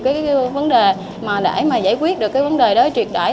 các vấn đề để giải quyết được cái vấn đề đó truyệt đải